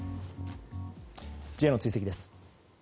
Ｊの追跡です。